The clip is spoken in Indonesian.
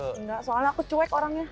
enggak soalnya aku cuek orangnya